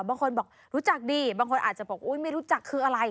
บางคนบอกรู้จักดีบางคนอาจจะบอกอุ๊ยไม่รู้จักคืออะไร